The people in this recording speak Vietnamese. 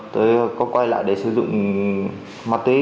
tôi có quay lại để sử dụng ma túy